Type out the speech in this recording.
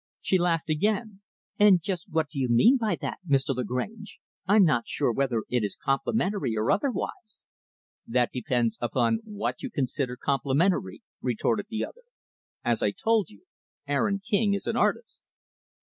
She laughed again. "And just what do you mean by that, Mr. Lagrange? I'm not sure whether it is complimentary or otherwise." "That depends upon what you consider complimentary," retorted the other. "As I told you Aaron King is an artist."